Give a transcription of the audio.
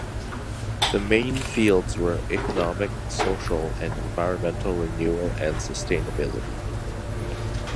The main fields were economic, social, and environmental renewal and sustainability.